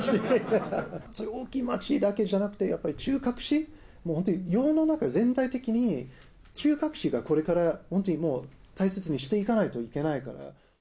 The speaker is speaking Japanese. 大きい街だけじゃなくて、やっぱり中核市、本当に世の中、全体的に中核市がこれから本当に大切にしていかないといけないから。